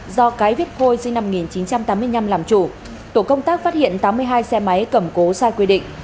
do cái viết khôi sinh năm một nghìn chín trăm tám mươi năm làm chủ tổ công tác phát hiện tám mươi hai xe máy cầm cố sai quy định